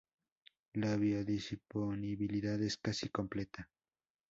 La biodisponibilidad es casi completa.